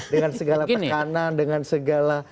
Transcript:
dengan segala tekanan dengan segala